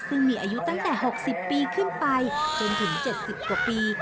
ซึ่งมีอายุตั้งแต่๖๐ปีขึ้นไปจนถึง๗๐กว่าปี